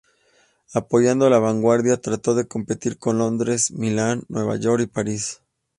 Apoyando la vanguardia, trató de competir con Londres, Milán, Nueva York y París.